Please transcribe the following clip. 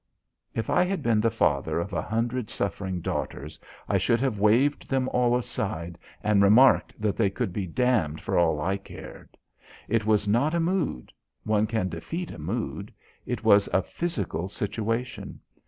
_ If I had been the father of a hundred suffering daughters, I should have waved them all aside and remarked that they could be damned for all I cared. It was not a mood. One can defeat a mood. It was a physical situation.